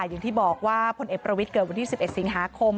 อย่างที่บอกว่าพลเอกประวิทย์เกิดวันที่๑๑สิงหาคม